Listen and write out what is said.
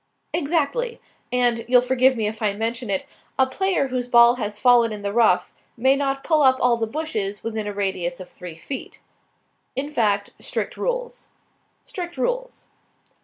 "Exactly. And you'll forgive me if I mention it a player whose ball has fallen in the rough, may not pull up all the bushes within a radius of three feet." "In fact, strict rules." "Strict rules."